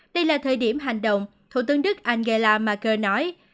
đây là thời điểm hành động thủ tướng đức angela marker nói